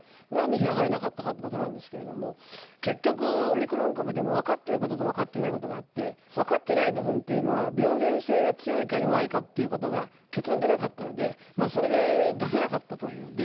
何で開かれなかったかということなんですが結局、オミクロン株でも分かっていることと分かっていないことがあって分かってない部分というのは病原性が強いか弱いかということが結論出なかったのでそれで出せなかったという。